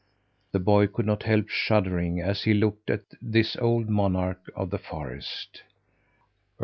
The boy could not help shuddering as he looked at this old monarch of the forest.